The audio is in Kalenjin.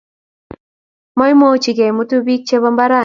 Moimuchi kemutu bik tugul chebo mbarani